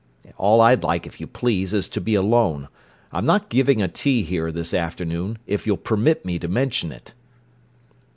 All I'd like, if you please, is to be alone. I'm not giving a tea here, this afternoon, if you'll permit me to mention it!"